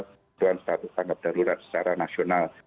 penentuan tanggap darurat secara nasional